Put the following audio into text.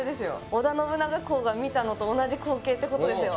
織田信長公が見たのと同じ光景ってことですよ